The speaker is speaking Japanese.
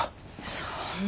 そんな。